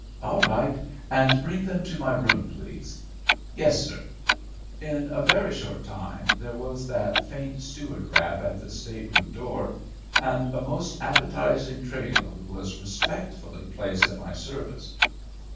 "All right, and bring them to my room, please?" "Yessir." In a very short time there was that faint steward rap at the state room door and a most appetising tray load was respectfully placed at my service.